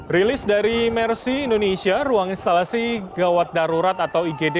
rilis dari mercy indonesia ruang instalasi gawat darurat atau igd